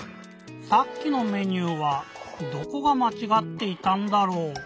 さっきのメニューはどこがまちがっていたんだろう？